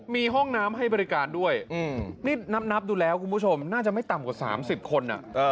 มีห้องน้ำให้บริการด้วยนี่นับดูแล้วคุณผู้ชมน่าจะไม่ต่ำกว่า๓๐คน